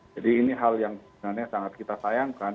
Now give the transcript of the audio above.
jadi ini hal yang sebenarnya sangat kita sayangkan